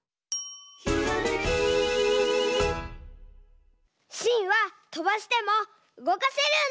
「ひらめき」しんはとばしてもうごかせるんだ！